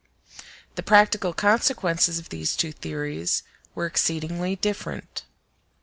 The practical consequences of these two theories were exceedingly different.